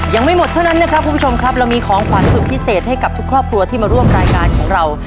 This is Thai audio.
ยังไม่หมดเท่านั้นนะครับคุณผู้ชมครับเรามีของขวัญสุดพิเศษให้กับทุกครอบครัวที่มาร่วมรายการของเรา